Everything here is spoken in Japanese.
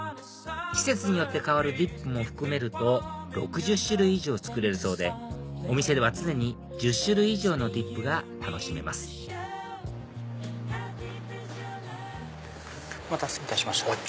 季節によって変わるディップも含めると６０種類以上作れるそうでお店では常に１０種類以上のディップが楽しめますお待たせいたしました。